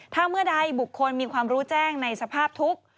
ถ้าเมื่อใดบุคคลมีความรู้แจ้งในสภาพทุกข์